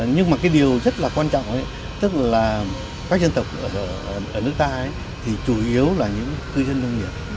nhưng mà cái điều rất là quan trọng tức là các dân tộc ở nước ta thì chủ yếu là những cư dân nông nghiệp